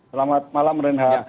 selamat malam renha